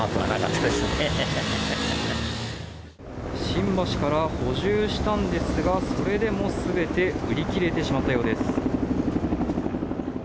新橋から補充したんですがそれでも全て売り切れてしまったようです。